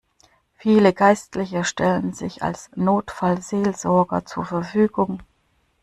Viele Geistliche stellten sich als Notfallseelsorger zur Verfügung.